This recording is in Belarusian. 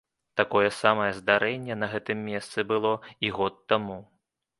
Такое самае здарэнне на гэтым месцы было і год таму.